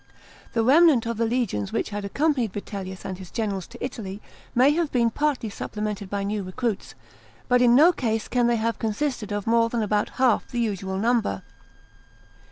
The remnant of the legions which had accompanied Vitellius and his generals to Italy may have been partly supplemented by new recruits, but in uo case can they have 354 REBELLIONS IN GERMANY AND JUDEA. CHAP. xx. consisted of more than about half the usual number.